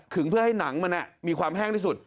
เพื่อให้หนังมันมีความแห้งที่สุด